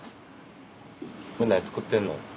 これ何作ってんの？